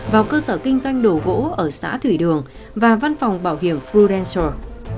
vào cơ sở kinh doanh đồ gỗ ở xã thủy đường và văn phòng bảo hiểm furdentral